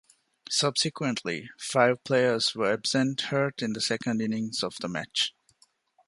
Subsequently, five players were absent hurt in the second innings of the match.